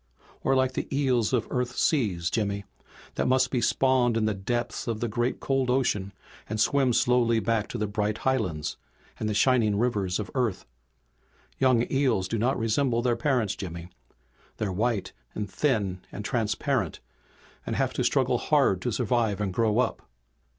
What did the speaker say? "Or like the eel of Earth's seas, Jimmy, that must be spawned in the depths of the great cold ocean, and swim slowly back to the bright highlands and the shining rivers of Earth. Young eels do not resemble their parents, Jimmy. They're white and thin and transparent and have to struggle hard to survive and grow up.